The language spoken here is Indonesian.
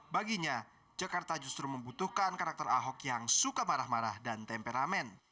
baginya jakarta justru membutuhkan karakter ahok yang suka marah marah dan temperamen